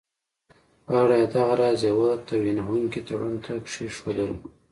غاړه دغه راز یوه توهینونکي تړون ته کښېښودله.